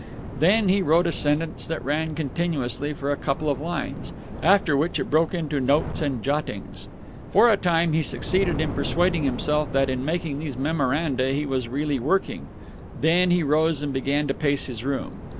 Then he wrote a sentence that ran continuously for a couple of lines, after which it broke on into notes and jottings. For a time he succeeded in persuading himself that in making these memoranda he was really working; then he rose and began to pace his room.